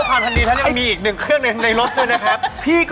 อันนี้จะมีหรอ